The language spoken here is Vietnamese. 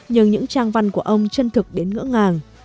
nhưng những trang văn của ông chân thực đến ngỡ ngàng